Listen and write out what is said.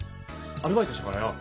アルバイトしたからよ。